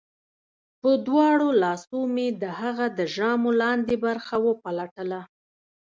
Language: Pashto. په دواړو لاسو مې د هغه د ژامو لاندې برخه وپلټله